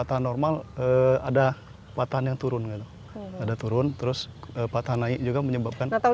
patahan normal ada patahan yang turun ada turun terus patahan naik juga menyebabkan tsunami